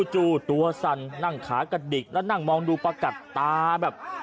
จู่ตัวสั่นนั่งขากระดิกแล้วนั่งมองดูประกัดตาแบบ